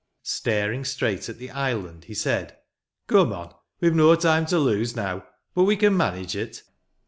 Staring straight at the island, he said, " Come on. We've no time to lose, now. But we can manage it.'